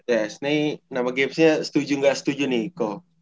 yes ini nama gamesnya setuju gak setuju nih ko